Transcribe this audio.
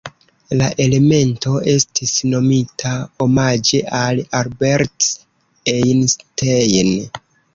La elemento estis nomita omaĝe al Albert Einstein.